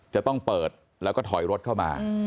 จะต้องเปิดแล้วก็ถอยรถเข้ามา